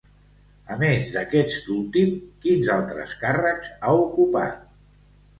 A més d'aquest últim, quins altres càrrecs ha ocupat?